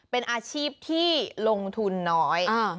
เป็นอาชีพที่ลงทุนน้อย